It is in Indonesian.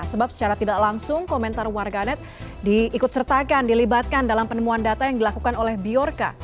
sebab secara tidak langsung komentar warganet diikut sertakan dilibatkan dalam penemuan data yang dilakukan oleh biorca